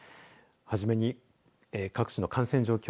はじめに各地の感染状況